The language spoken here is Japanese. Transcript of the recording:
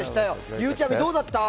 ゆうちゃみ、どうだった。